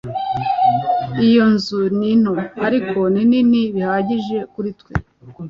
Iyo nzu ni nto, ariko ni nini bihagije kuri twe.